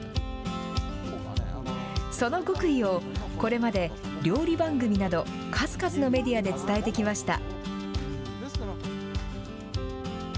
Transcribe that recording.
その極意を、これまで料理番組など、数々のメディアで伝えてきました。